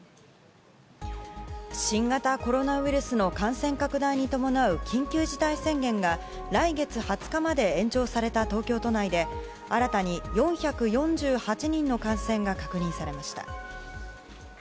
新型コロナウイルスの感染拡大に伴う緊急事態宣言が来月２０日まで延長された東京都内で新たに４４８人の感染が確認されました。